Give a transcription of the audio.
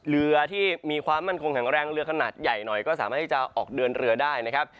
เรือที่มีความมั่นคงแข็งแรงเรือขนาดใหญ่หน่อยก็สามารถที่จะออกเดินเรือได้นะครับ